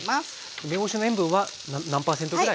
梅干しの塩分は何％ぐらい。